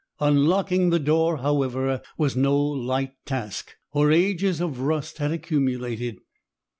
Unlocking the door, however, was no light task, for ages of rust had accumulated.